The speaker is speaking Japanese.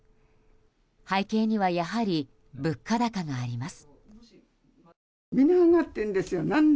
背景にはやはり物価高があります。